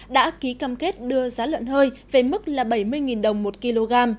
đã ký cam kết đưa giá lợn hơi về mức là bảy mươi đồng một kg